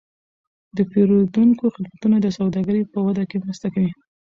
د پیرودونکو خدمتونه د سوداګرۍ په وده کې مرسته کوي.